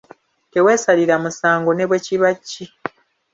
Teweesalira musango ne bwe kiba ki.